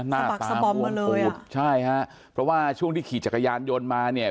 หน้าตาบวมปูดใช่ฮะเพราะว่าช่วงที่ขี่จักรยานยนต์มาเนี่ย